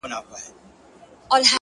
پوهه له زغم سره بشپړېږي.